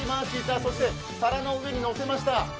そして皿の上にのせました。